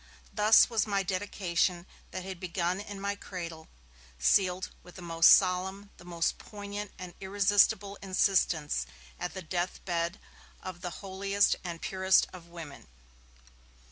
Thus was my dedication, that had begun in my cradle, sealed with the most solemn, the most poignant and irresistible insistence, at the death bed of the holiest and purest of women.